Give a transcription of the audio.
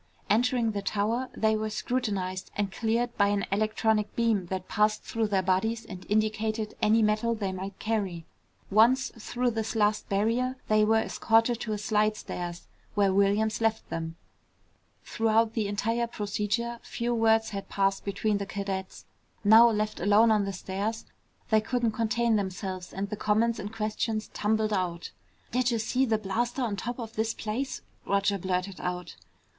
Entering the tower, they were scrutinized and cleared by an electronic beam that passed through their bodies and indicated any metal they might carry. Once through this last barrier, they were escorted to a slidestairs, where Williams left them. Throughout the entire procedure few words had passed between the cadets. Now left alone on the stairs, they couldn't contain themselves and the comments and questions tumbled out. "Did'ja see that blaster on top of this place?" Roger blurted out.